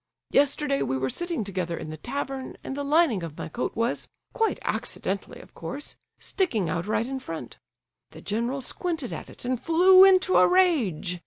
Yesterday we were sitting together in the tavern, and the lining of my coat was—quite accidentally, of course—sticking out right in front. The general squinted at it, and flew into a rage.